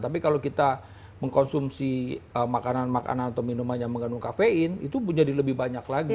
tapi kalau kita mengkonsumsi makanan makanan atau minuman yang mengandung kafein itu menjadi lebih banyak lagi